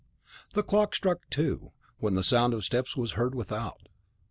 The clock struck two, when the sound of steps was heard without.